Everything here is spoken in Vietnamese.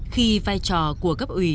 khi vai trò của cấp ủy